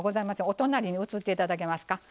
お隣に移って頂けますか。